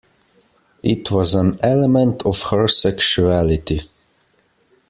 It was an element of her sexuality.